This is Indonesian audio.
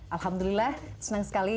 alhamdulillah senang sekali